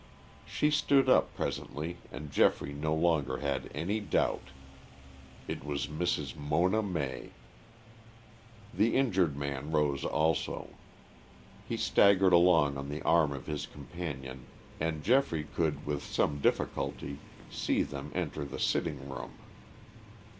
She stood up presently and Geoffrey no longer had any doubt. It was Mrs. Mona May. The injured man rose also. He staggered along on the arm of his companion and Geoffrey could with some difficulty see them enter the sitting room.